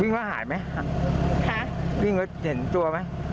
วิ่งแล้วหายไหมวิ่งแล้วเห็นตัวไหม